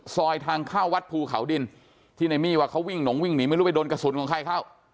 ทางเข้าวัดภูเขาดินที่ในมี่ว่าเขาวิ่งหลงวิ่งหนีไม่รู้ไปโดนกระสุนของใครเข้า